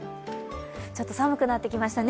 ちょっと寒くなってきましたね。